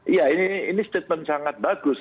iya ini statement sangat bagus